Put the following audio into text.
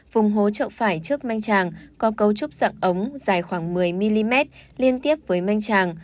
vùng hố trậu phải trước manh tràng có cấu trúc dạng ống dài khoảng một mươi mm liên tiếp với manh tràng